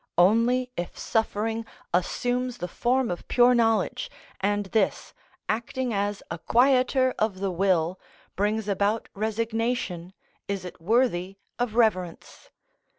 Only if suffering assumes the form of pure knowledge, and this, acting as a quieter of the will, brings about resignation, is it worthy of reverence.